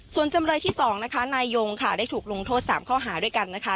ส่วนจำเลยที่๒นายยงได้ถูกลงโทษ๓ข้อหาร่วมกัน